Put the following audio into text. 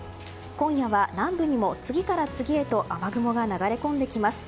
今夜は南部にも次から次へと雨雲が流れ込んできます。